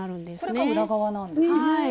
これが裏側なんですね。